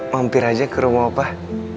mampir aja ke rumah pak